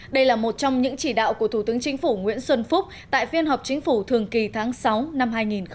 đây là một trong những chỉ đạo của thủ tướng chính phủ nguyễn xuân phúc tại phiên họp chính phủ thường kỳ tháng sáu năm hai nghìn một mươi chín